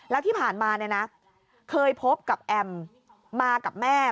แล้วที่ผ่านมาเนี่ยนะเคยพบกับแอมมากับแม่